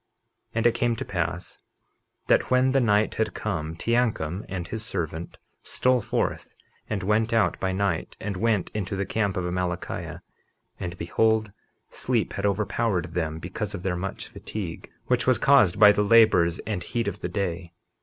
51:33 And it came to pass that when the night had come, Teancum and his servant stole forth and went out by night, and went into the camp of Amalickiah; and behold, sleep had overpowered them because of their much fatigue, which was caused by the labors and heat of the day.